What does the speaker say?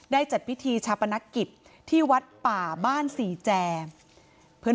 ได้จัดพิธีชาปนักกิจที่วัดป่าบ้านสี่แจ